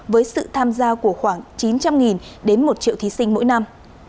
với sự tham gia của khoảng chín trăm linh đến một triệu thí sinh mỗi năm